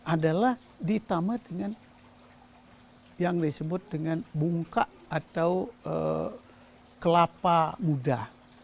adalah ditambah dengan yang disebut dengan bungkak atau kelapa muda